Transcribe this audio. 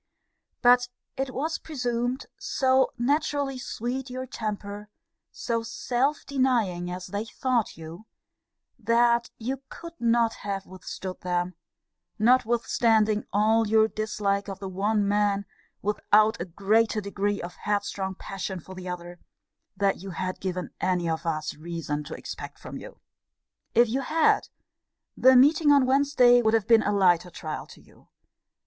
But it was presumed, so naturally sweet your temper, so self denying as they thought you, that you could not have withstood them, notwithstanding all your dislike of the one man, without a greater degree of headstrong passion for the other, than you had given any of us reason to expect from you. If you had, the meeting on Wednesday would have been a lighter trial to you.